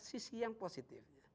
sisi yang positif